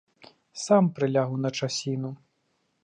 Сам прылягу на часіну.